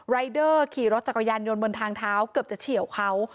รายเดอร์ขี่รถจักรยานยนต์บนทางเท้าเกือบจะเฉียวเขา